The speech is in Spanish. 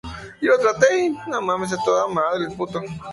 Noah Rubin derrotó en la final a Mitchell Krueger.